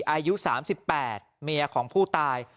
อายุ๓๘เมียของผู้ตาย